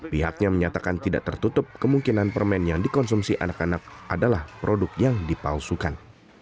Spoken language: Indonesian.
pihaknya menyatakan tidak tertutup kemungkinan permen yang dikonsumsi anak anak adalah produk yang dipalsukan